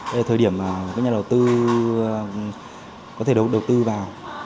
đây là thời điểm mà các nhà đầu tư có thể đầu tư vào